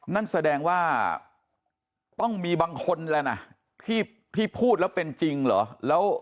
นั่นแสดงว่าต้องมีบางคนแล้วนะที่พูดแล้วเป็นจริงเหรอ